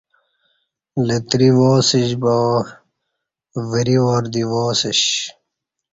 لتری وا سیش با وری وار دی وا سیش